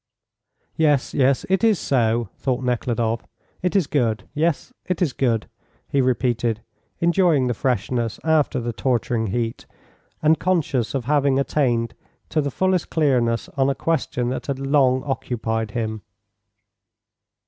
Yes, yes, it is so," thought Nekhludoff; "it is good; yes, it is good," he repeated, enjoying the freshness after the torturing heat, and conscious of having attained to the fullest clearness on a question that had long occupied him.